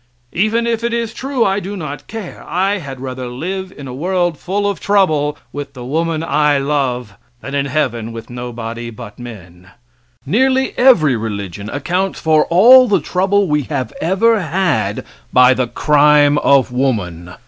Even if it is true, I do not care; I had rather live in a world full of trouble with the woman I love than in heaven with nobody but men. Nearly every religion accounts for all the trouble we have ever had by the crime of woman.